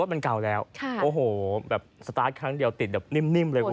มันเก่าแล้วโอ้โหแบบสตาร์ทครั้งเดียวติดแบบนิ่มเลยคุณ